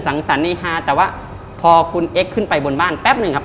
สังสรรค์ในฮาแต่ว่าพอคุณเอ็กซ์ขึ้นไปบนบ้านแป๊บหนึ่งครับ